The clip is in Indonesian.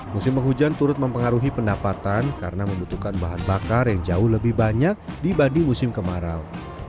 musim penghujan turut mempengaruhi pendapatan karena membutuhkan bahan bakar yang jauh lebih banyak dibanding musim kemarau